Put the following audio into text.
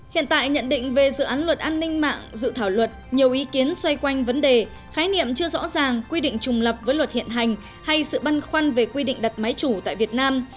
hiện tại nhận định về dự án luật an ninh mạng dự thảo luật nhiều ý kiến xoay quanh vấn đề khái niệm chưa rõ ràng quy định trùng lập với luật hiện hành hay sự băn khoăn về quy định đặt máy chủ tại việt nam